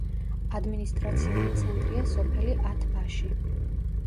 ადმინისტრაციული ცენტრია სოფელი ათ-ბაში.